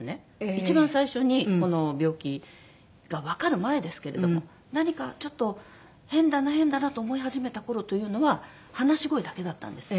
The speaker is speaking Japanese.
一番最初にこの病気がわかる前ですけれども何かちょっと変だな変だなと思い始めた頃というのは話し声だけだったんですよ。